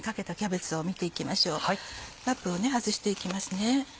ラップを外して行きますね。